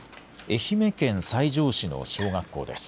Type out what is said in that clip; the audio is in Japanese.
愛媛県西条市の小学校です。